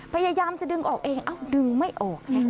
พยายามจะดึงออกเองดึงไม่ออก